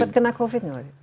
sempat kena covid nggak lagi